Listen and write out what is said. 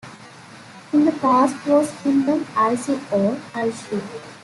In the past was kingdom Alzi or Alshe.